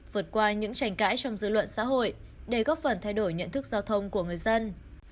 vượt qua những tranh cãi trong dư luận xã hội để góp phần thay đổi nhận thức giao thông của người dân